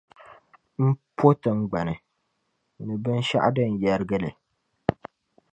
M po tiŋgbani, ni binshɛɣu din yɛrgi li.